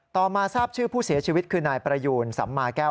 มาทราบชื่อผู้เสียชีวิตคือนายประยูนสัมมาแก้ว